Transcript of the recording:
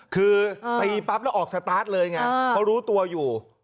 คือตีปั๊บแล้วออกสตาร์ทเลยไงเพราะรู้ตัวอยู่